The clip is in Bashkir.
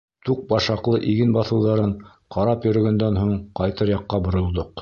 Туҡ башаҡлы иген баҫыуҙарын ҡарап йөрөгәндән һуң, ҡайтыр яҡҡа боролдоҡ.